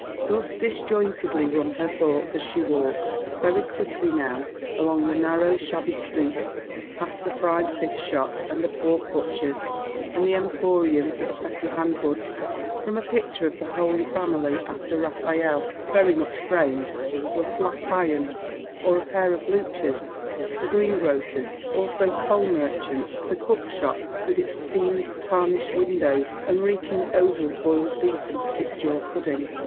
" Thus disjointedly run her thoughts, as she walks — ^very quickly now — along the nan ow, shabby street, past the fried fish shop, and the pork butcher's, and the emporium for second hand goods — from a picture of the Holy Far^ily, after Raffaelle, very much framed, to a flat iron, or a pair of bluchers — the greengrocer's, also coal merchant, the cook shop, with its steam tarnished windows and reeking odour of boiled beef and stick jaw pudding.